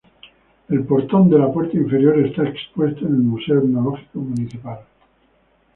El portón de la puerta inferior está expuesto en el museo etnológico municipal.